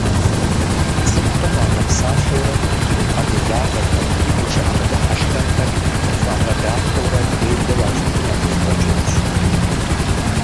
Цӏыхухэм уагъэпсалъэурэ, жыпӏэ делагъэхэр, гушыӏэ мыдыхьэшхэнхэр къыпхуагъэдахэурэ делэ уащӏыфын яхузэфӏэкӏынущ.